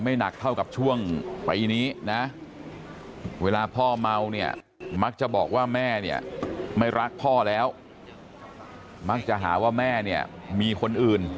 เมาเนี่ยมักจะบอกว่าแม่เนี่ยไม่รักพ่อแล้วมักจะหาว่าแม่เนี่ยมีคนอื่น